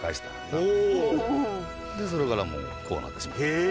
それからもうこうなってしまいました。